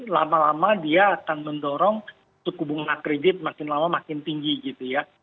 lama lama dia akan mendorong suku bunga kredit makin lama makin tinggi gitu ya